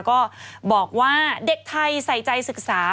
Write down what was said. ก็บอกว่าเด็กไทยใส่ใจศึกษา